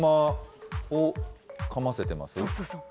そうそうそう。